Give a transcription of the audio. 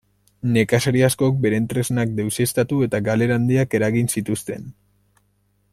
Nekazari askok beren tresnak deuseztatu eta galera handiak eragin zituzten.